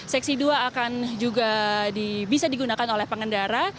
seksi dua akan juga bisa digunakan oleh pengendara